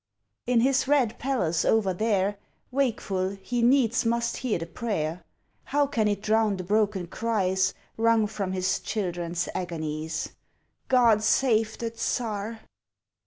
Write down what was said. In his Red Palace over there, Wakeful, he needs must hear the prayer. How can it drown the broken cries Wrung from his children's agonies? "God save the Tsar!"